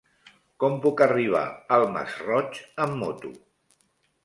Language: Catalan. Com puc arribar al Masroig amb moto?